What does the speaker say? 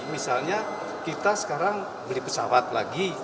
misalnya kita sekarang beli pesawat lagi